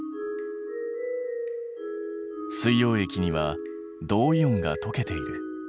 水溶液には銅イオンが溶けている。